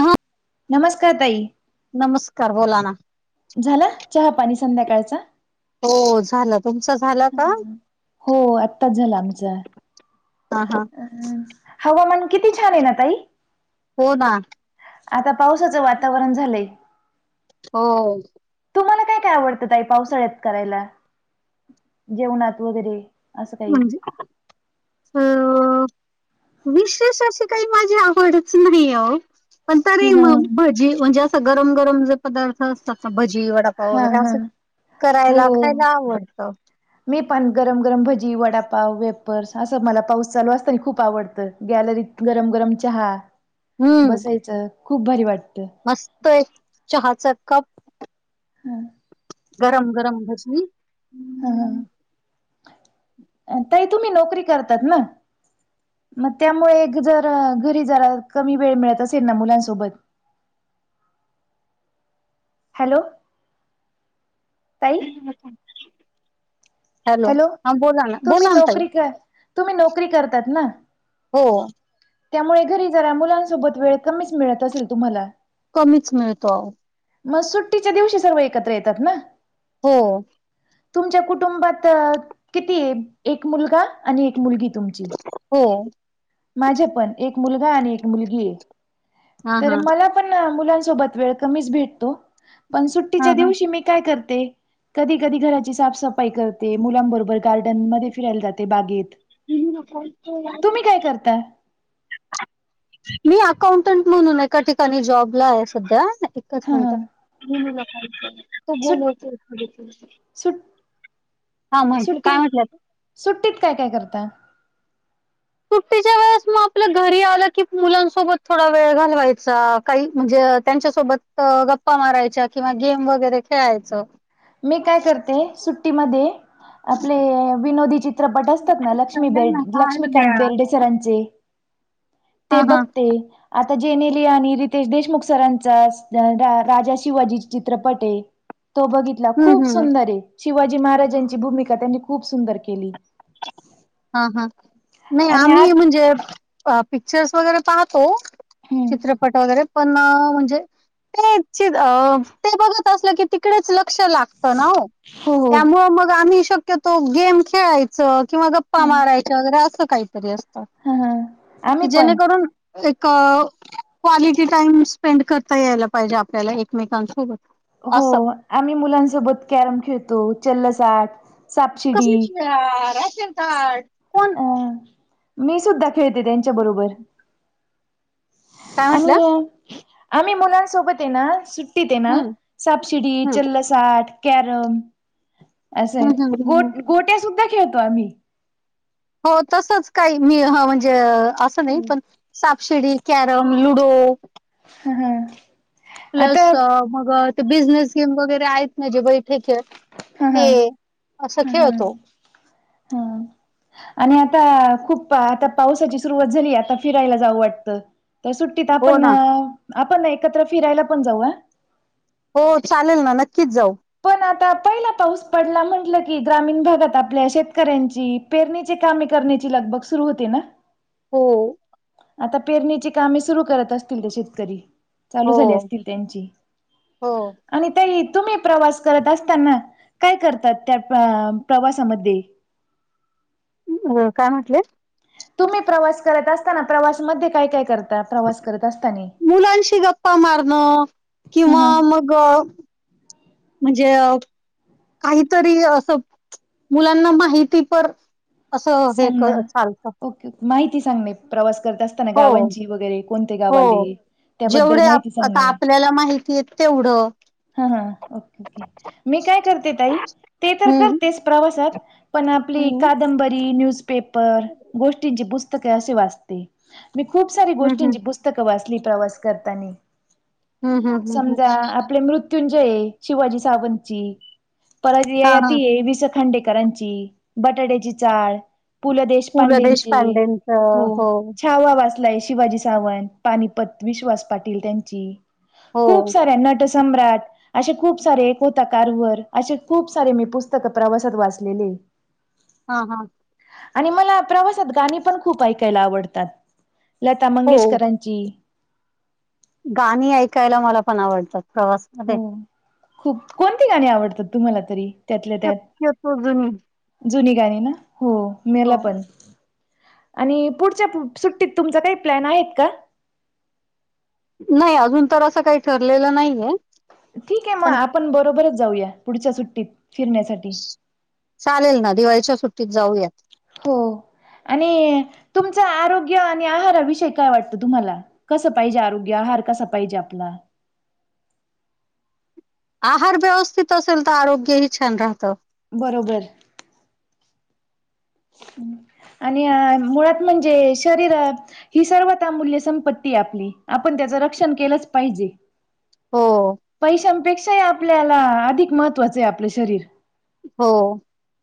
हा! नमस्कार ताई! नमस्कार बोला ना! झाला चहापाणी संध्याकाळचा? हो झालं तुमच झालं का? हो आत्ताच झाला आमचा हा हा हवामान किती छान आहे ना ताई? हो ना आता पावसाचं वातावरण झालंय. हो तुम्हाला काय काय आवडतात आई पावसाळ्यात करायला जेवणात वगैर? म्हजे अ विशेष अशी काही माझी आवडच नाही ओ. पण तरी हा मग भजी म्हणजे असं गरम गरम जे पदार्थ असतात भजी वड हा वगैरे हा असं हो करायला हो. खायला आवडतं. मी पण गरम गरम भजी वडापाव वेपर्स असा मला पाऊस चालू असताना खूप आवडतं, गॅलरीत गरम गरम चहा हम्म बसायचं खूप भारी वाटतं. मस्त एक चहाच कप हम्म गरम गरम भजी. हा ताई तुम्ही नोकरी करतात ना? मग त्यामुळे जर घरी जरा कमी वेळ मिळत असेल ना मुलांसोबत. हॅलो ताई. हॅलो हा बोला ना तुम्ही बोला ना ताई नोकरी कर तुम्ही नोकरी करतात ना? हो त्यामुळे घरी जरा मुलांसोबत वेळ कमीच मिळत असेल तुम्हाला कमीच मिळतो. मग सुट्टीच्या दिवशी सर्व एकत्र येतात ना. हो तुमच्या कुटुंबात किती आहे? एक मुलगा आणि एक मुलगी तुमची हो माझ्या पण एक मुलगा आणि एक मुलगी आहे. हा तर हा मला पण मुलांसोबत वेळ कमीच भेटतो पण हा सुट्टीच्या हा दिवशी मी काय करते कधी कधी घराची साफसफाई करते. ते मुलांबरोबर गार्डन मध्ये फिरायला जाते बागेत. हत करताय मी अकाउंटंट म्हणून एका ठिकाणी जॉबला आहे सध्या. च ह ह म्हणतात मी मुला का के तो सुट बोलते. सुट हां महान सुट्टी काय म्हटलं त सुट्टीत काय काय करता? सुट्टीच्या वेळे ग आपल्या घरी आलं की मुलांसोबत थोडा वेळ घालवायचा काही म्हणजे त्यांच्यासोबत गप्पा मारायच्या किंवा गेम वगैरे खेळायचं. मी काय करते सुट्टीमध्ये आपले विनोदीची चित्रपट असतात ना लक्ष्मी चला बे ना कार्ड द्या लक्ष्मीकांत बेर्डेसरांचे. ते हा हा बघते. आता जेनेल आणि रितेश देशमुख सरांचा राजा शिवाजी चित्रपट आहे. तो बघितला हम्म खूप हम्म सुंदर आहे शिवाजी महाराजांची भूमिका त्यांनी खूप सुंदर केली. हा हां नाही आणि आम्ही आत म्हणजे पिक्चर्स वगैरे पाहतो. हम्म चित्रपट वगैरे पण म्हणजे. ते ते बघत असलं की तिकडेच लक्ष लाग. ना हो हो हो त्यामुळे मग आम्ही शक्यतो गेम खेळायचं किंवा ग. गप्पा मारायच्या वगैरे असं काहीतरी असतात ह ह की आम्ही पण जेणेकरून. एक. क्वालिटी टाइम स्पेंड करता यायला पाहिजे आपल्याला एकमेकांसोबत. हो असं. आम्ही मुलांसोबत कॅरम खेळतो चलसाठ. साप शिडी कसलीच वेळा राशीन ताट कोण अं. मी सुद्धा खेळते त्यांच्या बरोबर. काय म्हटल्या? आणि आम्ही मुलांसोबत आहे ना श. थे ना हं, सापसिडी हं, चल्लसाठ कॅरम. असं हं, आहे हं, हं, गो हं. गोट्या सुद्धा खेळतो आम्ही. हो तसच काही मी म्हणजे असं नाही पण. सापशिडी कॅरम लुडो. ह हम. प्लस मग ते बिझनेस गेम वगैरे आहेत ना जे बैठेके. हा ते अस ह ह खेळतो. हा. आणि आता खूप आता पावसाची सुरुवात झाली आता फिरायला जावं वाटतं तर सुट. हो आपण ना. आपण एकत्र फिरायला पण जाऊया. हो चालेल ना नक्कीच जाऊ. पण आता पहिला पाऊस पडला म्हटलं की ग्रामीण भागात आपल्या शेतकऱ्यांची. पेरणी कामे करण्याची लगब ग सुरु होते ना. हो. आता पेरणीची कामे सुरू करत असतील ते शेतकरी. चालू हो, झाली असतील त्यांची हो. आणि त तुम्ही. प्रवास करत असताना काय करतात त्या प्रवासामध्ये. अ काय म्हटलंय. तुम्ही प्रवास करत असताना प्रवासमध्ये काय काय करता प्रवास करत असताना. मुलांशी गप्पा मारणं हा किंवा हा मग. म्हणजे. काहीतरी असं मुलांना माहिती प. सांग ना ओके माहिती सांग म प्रवास करता अस. हो, गावांची वगैरे कोणते्या हो. गावाले त्याबद्दल जेवढे आप माहिती आता सांगणे. आपल्याला माहितीय. तेवढं. हा हा ओके ओके मी काय करते ताई. ते तर हं, करतेच प्रवासात पण आपली हं, कादंबरी न्यूज पेपर गोष्टींची पुस्तके असे वाचते. मी खूप सारी हं, हं, गोष्टींची पुस्तकं वाचली प्रवास करताना. हम्म हम् हम् हम्. आप मृत्युंजय शिवाजी सावंत पर हां, हां. त. खांडेकरांची बटाट्याची चाळ. पु ल पु ल देशपांडेचे देशपांडेंचं हो. ावा वाचलाय शिवाजी सावंत पानिपत विश्वास पाटील त्यांची. हो खूप साऱ्या नट सम्राट. असे खूप सारे एक होता कारवर असे खूप सारे मी पुस्तक प्रवासात वाचलेले ह [inaudible] हा हा आणि मला प्रवासात गाणी पण खूप ऐकायला आवडतात लता हो मंगेशकरां जी. गाणी ऐकायला मला पण आवडतात प्रवासमध्ये. हो खूप कोणती गाणी आवडतात तुम्हाला तरी त्यातल्या त्यात. शक्यतो जुनी जुनी गाणी ना हो मेला हो पण. आणि पुढच्या सुट्टीत तुमचा काही प्लॅन आहेत का नाही अजून तर असं काही ठरलेलं नाहीये ठीक आहे मग पण आपण बरोबरच जाऊया पुढच्या सुट्टीत फिरण्यासाठी चालेल ना दिवाळीच्या सुट्टीत जाऊयात हो आणि तुमच आरोग्य आणि आहाराविषययी काय वाटतं तुम्हाला कसं पाहिजे आरोग्य आहार कसा पाहिजे आपला आहार व्यवस्थित असेल तर आरोग्यही छान राहतं बरोबर आणि मुळात म्हणजे शरीर ही सर्वतर अमूल्य संपत्ती आहे आपली आपण त्याचं रक्षण केलंच पाहिजे हो पैशांपेक्षाही आपल्याला अधिक महत्त्वाचं आहे आपलं शरीर हो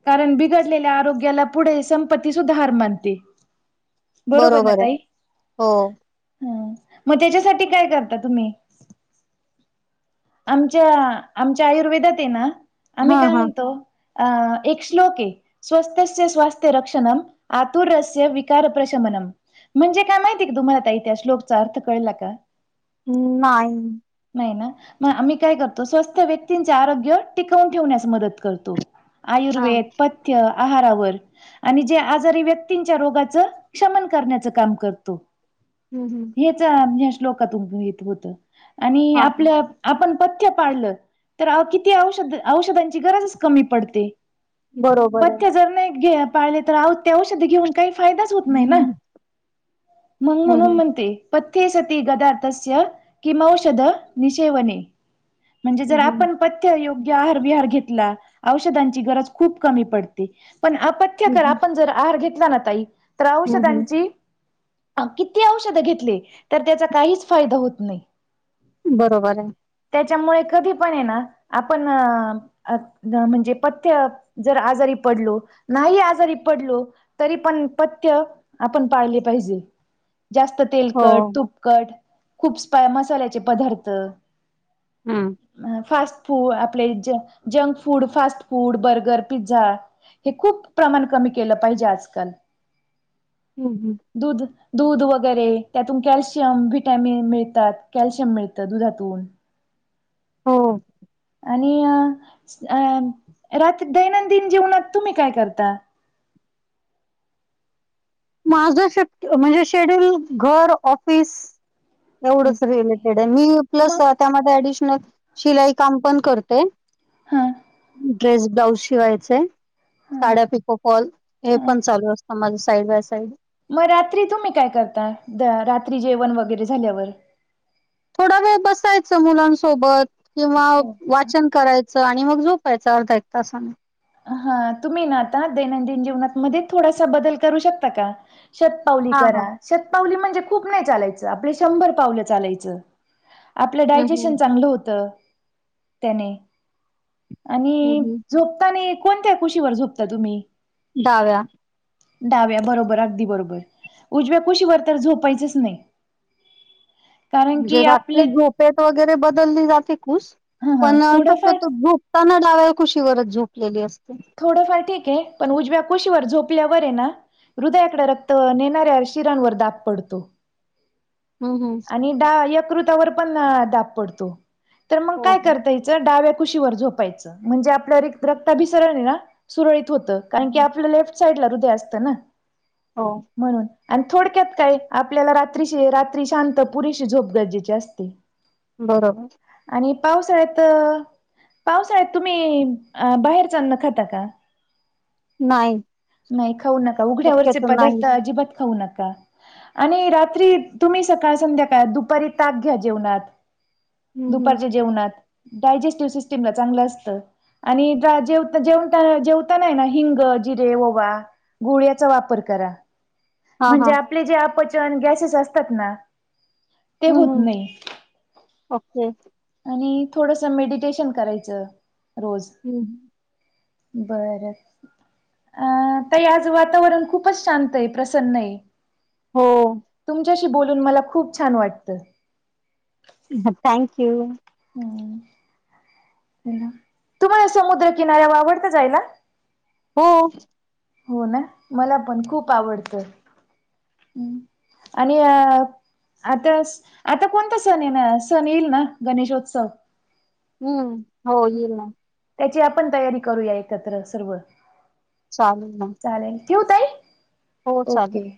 कारण बिघडलेल्या आरोग्याला पुढे संपत्ती सुधा हार मानते बरोबर ना ताई हो ह मग त्याच्यासाठी काय करता तुम्ही आमच्या आमच्या आयुर्वेदात आहे ना आम्ही हां काय हां म्हणतो अ एक श्लोक आहे स्वस्त स्वास्थ्य रक्षणम आतुरस विकार प्र्रशमनम म्हणजे काय माहिती आहे का तुम्हाला ताई आता इतिास श्ोकचा अर्थ कळला का हम् नाही नाही ना मग आम्ही काय करतो स्वस्त व्यक्तींचे आरोग्य टिकवून ठेवण्यास मदत करतो हां आयुर्वेद पथ्य आहारावर आणि जे आजारी व्यक्तींच्या रोगाच क्षमन करण्याच काम करतो हम् हम् ह श्लोकातून येत होत आणि हां हां आपल्या आपण पथ्य पाळलं तर किती औषध औषधांची गरजच कमी पडते बरोबर आहे पथ्य जर नाही घे पाळले तर आव ते औषध घेऊन काही फायदाच होत नाही ना हं मग हं म्हणून म्हणते पथ्ये सती गदाथस किमौऔषध निषेवने म्हणजे हं जर हं आपण पथ्य योग्य आहार विहार घेतला औषधांची गरज खूप कमी पडते पण आपण जर आहार घेतला ना ताई तर हं हं औषधांची किती औषधं घेतले तर त्याचा काहीच फायदा होत नाही बरोबर आहे त्याच्यामुळे कधी पण आहे ना आपण अ म्हणजे पथ्य जर आजारी पडलो नाही आजारी पडलो तरी पण पथ्य आपण पाळले पाहिजे जास्त हो तेलकट तुपकट खूप स्पाय मसाल्याचे पदार्थ हं फास्ट फूड आपले junk food fast food burger pizza हे खूप प्रमाण कमी केलं पाहिजे आजकाल हम्म हम् दुध दूध वगैरे त्यातून कॅल्शियम वि्हटॅमिन मिळतात कॅल्शियम मिळतं दुधातून हो आणि अ रात्री दैनंदिन जीवनात तुम्ही काय करता माझं शिफ्ट म्हणजे शेड्यूल घर ऑफिस एवढच रिलेटेड आहे मी प्लस मग त्यामध्ये डिशनल शिलाई काम पण करते हा ड्रेस ब्लाउज शिवायचेय हा साड्या पिको फॉल हे पण चालू असतं माझं साईड बा सईड मग रात्री तुम्ही काय करता रात्री जेवण वगैरे झाल्यावर थोडा वेळ बसायचं मुलांसोबत किंवा हो वाचन करायचं आणि मग झोपायचं अर्धा एक तासाने हा तुम्ही ना आता दैनंदिन जीवनातमध्येध्ये थोडासा बदल करू शकता का पावली हा हा. करा शतपावली म्हणजे खूप नाही चालायचं आपले शंभर पावलं चालायचं आपलं हं हं. डायजेशन चांगलं होतं त्याने हं आणि हं. झोपता आणि कोणत्या कुशीवर झोपता तुम्ही डाव्या डाव्या बरोबर अगदी बरोबर उजव्या कुशीवरर तर झोपायचच नाही ह म्हणजे रात्री ग्रुपेत वगैरे बदलली जाते खुस हां हां पण अस थोडंफार तो ग्रुप त्यांना डाव्या कुशीवरच झोपलेली असते थोडंफार ठीक आहे पण उजव्या कुशीवर झोपल्यावर आहे ना हृदयाकडे रक्त नेणाऱ्या शिरांवर दाब पडतो हो होम आणि यकृतावर पण दाब पडतो तर मग हो काय हो. करता य डाव्या कुशीवर झोपायचं म्हणजे आपल्या रत रक्ता भिसरण आहे ना सुरळीत होत कारण की हम्म. आपलं लेफ्ट साईड ला हृदय असत ना हो म्हणून आणि थोडक्यात काय आपल्याला रात्रीशी रात्री शांत पुरेशी झोप गरजेची असते [unintelligible] [inaudible] बरोबर आणि पावसाळ्यात पावसाळ्यात तुम्ही बाहेर जा आण न खाता का नाही नाही खाऊ नका उघड्यावरचे शक्यतो नाही. पदार्थ अजिबात खाऊ नका आणि रात्री तुम्ही सकाळ संध्याकाळ दुपारी ताक घ्या जेवणात हम्म हम्म. दुपारच्या जेवणात डायजेस्टिव सिस्टीमला चांगलं असत आणि जेवता जेवता जेवताना ना हिंग जी जेव गुळ्याचा वापर करा हा म्हणजे हा. आपले जे आपचन गॅसेस असतात ना ते हम्म होत हम्म. नाही ओके. आणि थोडस मेडिटेशन करायचं रोज हम्म बर अ त आज वातावरण खूपच शांत आहे प्रसन् आहे हो तुमच्याशी बोलून मला खूप छान वाटतं थँक्यू हम् तुम्हाला समुद्रकिनाऱ्या आवडता जायला हो हो ना मला पण खूप आवडतं आणि अ आता आता कोणता सण ये ना सण येईल ना गणेशोत्सव. हम्म हो येईल ना. त्याची आपण तयारी करूया एकत्र सर्व चालेूल ना चालेल ठेऊ ताई हो चाल ओके